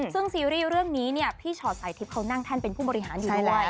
ซึ่งซีรีส์เรื่องนี้เนี่ยพี่ชอตสายทิพย์เขานั่งแท่นเป็นผู้บริหารอยู่นั่นแหละ